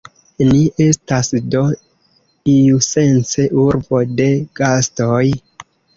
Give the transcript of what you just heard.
Ni estas, do, iusence urbo de gastoj.